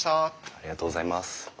ありがとうございます。